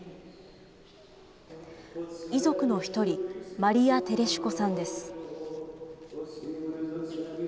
遺族の１人、マリア・テレシュコさんです。